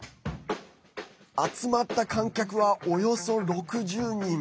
集まった観客は、およそ６０人。